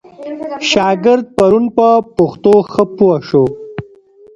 شاګرد پرون په پښتو ښه پوه سو.